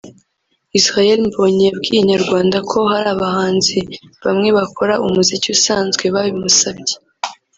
Israel Mbonyi yabwiye Inyarwanda ko hari abahanzi bamwe bakora umuziki usanzwe babimusabye